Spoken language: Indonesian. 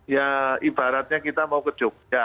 ya ibaratnya kita mau ke jogja